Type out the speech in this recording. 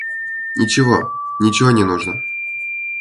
Ничего, ничего не нужно.